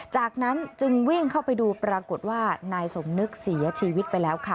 จากนั้นจึงวิ่งเข้าไปดูปรากฏว่านายสมนึกเสียชีวิตไปแล้วค่ะ